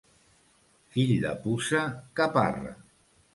Fill de puça, caparra.